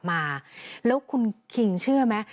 มาแล้วคุณคิงเชื่อไหม